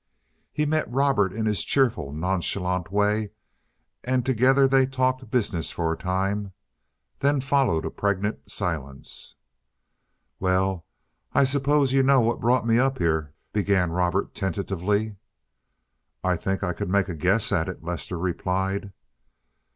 He met Robert in his cheerful, nonchalant way, and together they talked business for a time. Then followed a pregnant silence. "Well, I suppose you know what brought me up here," began Robert tentatively. "I think I could make a guess at it," Lester replied.